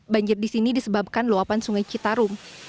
banjir di sini disebabkan luapan sungai citarum